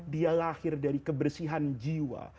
dia lahir dari kebersihan jiwa